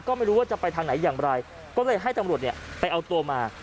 ก็ไม่รู้ว่าจะไปทางไหนอย่างไรก็เลยให้ตำรวจเนี่ยไปเอาตัวมา